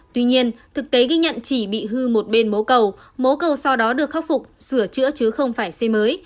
tuy nhiên thực tế ghi nhận chỉ bị hư một bên mố cầu mố cầu sau đó được khắc phục sửa chữa chứ không phải xây mới